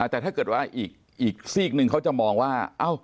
แต่ถ้าเกิดว่าอีกซีกหนึ่งเขาจะมองว่า